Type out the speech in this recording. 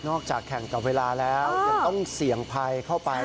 แข่งกับเวลาแล้วยังต้องเสี่ยงภัยเข้าไป